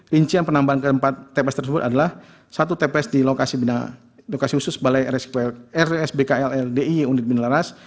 rincian penambahan keempat tps tersebut adalah satu tps di lokasi khusus balai rsbkldiy unit minaras